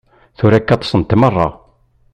Tura akka ṭṭsent merra.